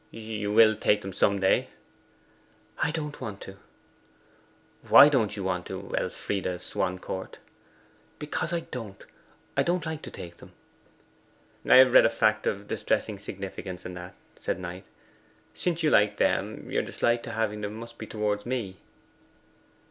'You will take them some day?' 'I don't want to.' 'Why don't you want to, Elfride Swancourt?' 'Because I don't. I don't like to take them.' 'I have read a fact of distressing significance in that,' said Knight. 'Since you like them, your dislike to having them must be towards me?